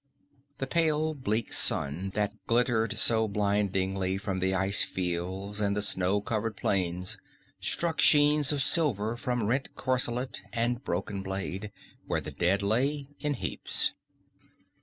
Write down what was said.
The pale bleak sun that glittered so blindingly from the ice fields and the snow covered plains struck sheens of silver from rent corselet and broken blade, where the dead lay in heaps.